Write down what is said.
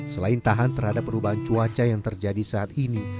selain tahan terhadap perubahan cuaca yang terjadi saat ini